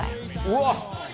うわっ！